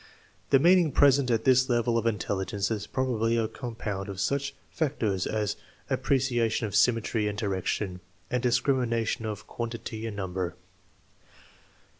The meaning present at this level of intelligence is probably a compound of such fac tors as appreciation of symmetry and direction, and dis crimination of quantity and number.